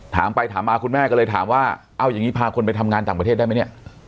ถามไปถามมาคุณแม่ก็เลยถามว่าเอาอย่างนี้พาคนไปทำงานต่างประเทศได้ไหมเนี่ย